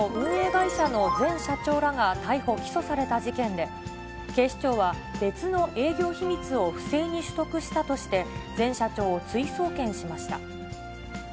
会社の前社長らが逮捕・起訴された事件で、警視庁は、別の営業秘密を不正に取得したとして、前社長を追送検しました。